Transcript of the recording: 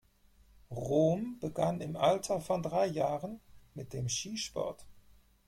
Rom begann im Alter von drei Jahren mit dem Skisport.